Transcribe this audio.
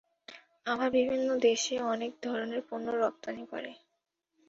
আবার বিভিন্ন দেশে অনেক ধরনের পণ্য রপ্তানি করে।